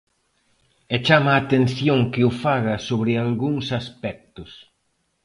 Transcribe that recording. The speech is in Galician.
E chama a atención que o faga sobre algúns aspectos.